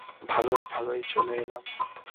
ভালোয় ভালোয় চলে এলাম।